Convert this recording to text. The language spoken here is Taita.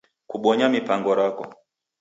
Kubonya mipango rako.